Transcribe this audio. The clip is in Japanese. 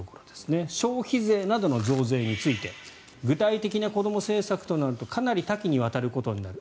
消費税などの増税について具体的な子ども政策となるとかなり多岐にわたることになる。